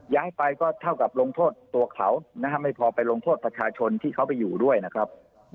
ย้ายไปก็เท่ากับลงโทษตัวเขาไม่พอไปลงโทษประชาชนที่เขาไปอยู่ด้วยนะครับ